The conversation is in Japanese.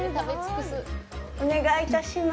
お願いいたします。